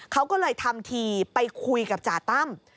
เขาก็เลยทำทีไปคุยกับจ่าตั้ม